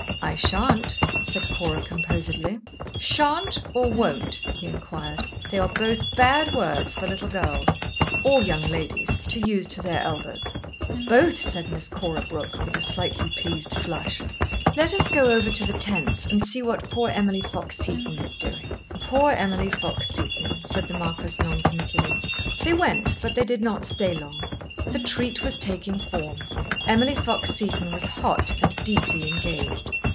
"I shan't," said Cora, composedly. "Shan't or won't?" he inquired. "They are both bad words for little girls or young ladies to use to their elders." "Both," said Miss Cora Brooke, with a slightly pleased flush. "Let us go over to the tents and see what poor Emily Fox Seton is doing." "Poor Emily Fox Seton," said the marquis, non committally. They went, but they did not stay long. The treat was taking form. Emily Fox Seton was hot and deeply engaged.